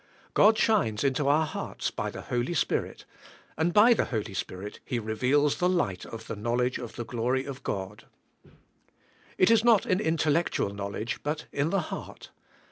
God shines into our hearts by the Holy Spirit, and by the Holy Spirit Hereveals the light of the knowl edge of the glory of God. It is not an intellectual knowledge, but in the heart.